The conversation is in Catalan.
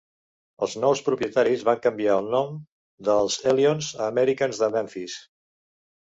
Els nous propietaris van canviar el nom de els Hellions a Americans de Memphis.